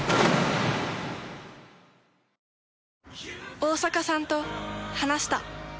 大坂さんと話した。